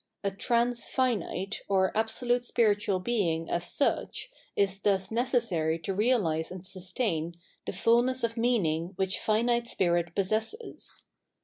A trans finite or Absolute Spiritual Being as sucb is thus necessary to realise and sustain tbe fullness of meaning wbicb finite spirit possesses.